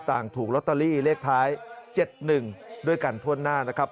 ถูกลอตเตอรี่เลขท้าย๗๑ด้วยกันทั่วหน้านะครับ